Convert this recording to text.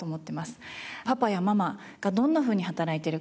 パパやママがどんなふうに働いているか。